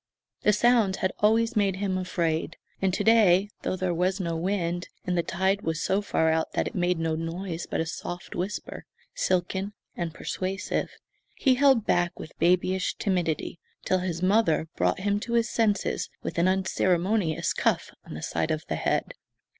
The sound had always made him afraid; and to day, though there was no wind, and the tide was so far out that it made no noise but a soft whisper, silken and persuasive, he held back with babyish timidity, till his mother brought him to his senses with an unceremonious cuff on the side of the head.